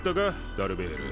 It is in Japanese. ダルベール。